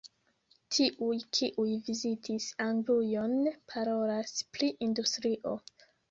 Tiuj, kiuj vizitis Anglujon, parolas pri industrio.